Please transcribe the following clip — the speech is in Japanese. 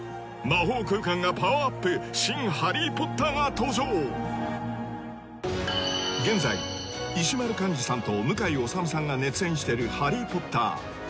そして現在石丸幹二さんと向井理さんが熱演しているハリー・ポッター